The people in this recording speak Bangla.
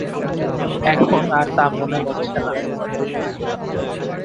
এখন আর তা মনে হচ্ছে না।